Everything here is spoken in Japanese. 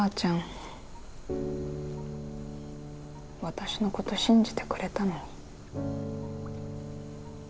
私のこと信じてくれたのに。